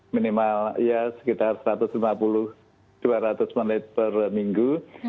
minimal ya sekitar satu ratus lima puluh dua ratus menit per minggu